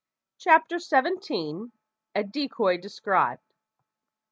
CHAPTER SEVENTEEN. A DECOY DESCRIBED.